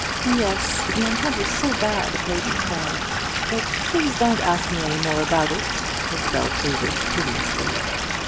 "Yes, my head was so bad it made me cry; but please don't ask me any more about it," Isabel pleaded, piteously.